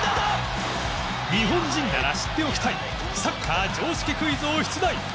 日本人なら知っておきたいサッカー常識クイズを出題